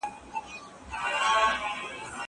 تکړښت د زهشوم له خوا کيږي!!